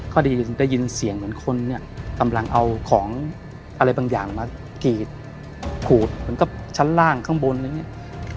พอดีได้ยินเสียงเหมือนคนเนี่ยกำลังเอาของอะไรบางอย่างมากรีดขูดเหมือนกับชั้นล่างข้างบนอะไรอย่างนี้